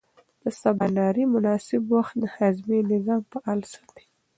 د سباناري مناسب وخت د هاضمې نظام فعال ساتي.